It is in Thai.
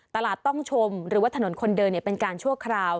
ตลาดต้องชมหรือว่าถนนคนเดินเป็นการชั่วคราว